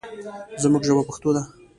زموږ ژبه پښتو ده.